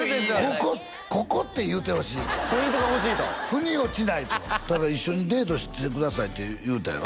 ここここって言うてほしいとポイントが欲しいとふに落ちないと「一緒にデートしてください」って言うたんやろ？